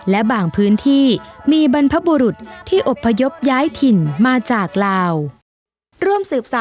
และบางพื้นที่มีบรรพบุรุษที่อบพยพย้ายถิ่นมาจากลาว